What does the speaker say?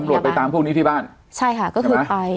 ตำรวจไปตามพวกนี้ที่บ้านใช่ค่ะก็คือไปใช่ไหม